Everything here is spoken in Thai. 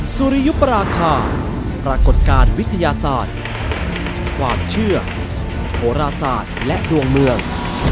สุริยุปราคาปรากฏการณ์วิทยาศาสตร์ความเชื่อโหราศาสตร์และดวงเมือง